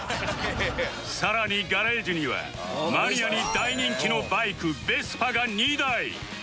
さらにガレージにはマニアに大人気のバイク Ｖｅｓｐａ が２台